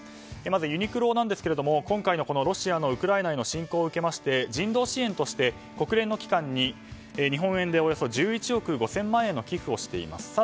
まずユニクロなんですけども今回のロシアのウクライナへの侵攻を受けまして人道支援として国連の機関に日本円でおよそ１１億５０００万円の寄付をしています。